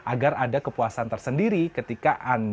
agar ada kepuasan tersendiri ketika anda membuang sampahnya